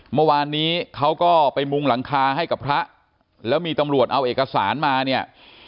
เมื่อวานนี้เขาก็ไปมุงหลังคาให้กับพระแล้วมีตำรวจเอาเอกสารมาเนี่ย